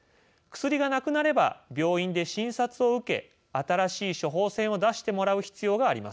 薬がなくなれば病院で診察を受け新しい処方箋を出してもらう必要があります。